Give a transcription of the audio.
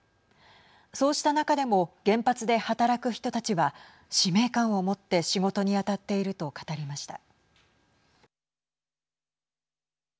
そうした中でも原発で働く人たちは使命感をもって仕事に当たっていると語りました。